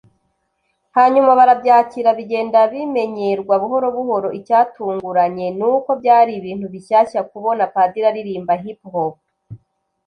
hanyuma barabyakira bigenda bimenyerwa buhoro buhoro icyatunguranye ni uko byari ibintu bishyashya kubona Padiri aririmba hip hop